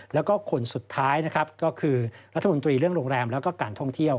แล้วก็คนสุดท้ายนะครับก็คือรัฐมนตรีเรื่องโรงแรมแล้วก็การท่องเที่ยว